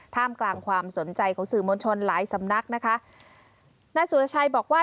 ท่ามกลางความสนใจของสื่อมวลชนหลายสำนักนะคะนายสุรชัยบอกว่า